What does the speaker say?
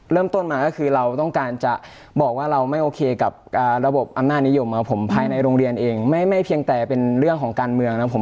เริ่มต้นมาก็คือเราต้องการจะบอกว่าเราไม่โอเคกับระบบอำนาจนิยมของผมภายในโรงเรียนเองไม่เพียงแต่เป็นเรื่องของการเมืองนะผม